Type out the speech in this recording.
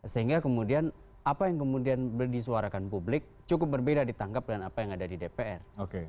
sehingga kemudian apa yang kemudian disuarakan publik cukup berbeda ditangkap dengan apa yang ada di dpr